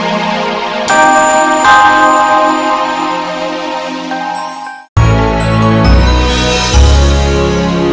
dari app atau sp